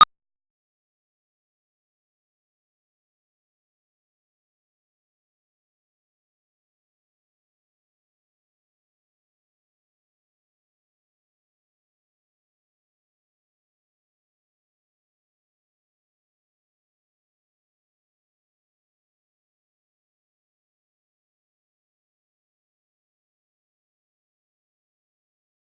ดีนะที่อุ้มน้อย